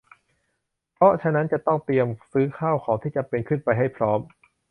เพราะฉะนั้นจะต้องเตรียมซื้อข้าวของที่จำเป็นขึ้นไปให้พร้อม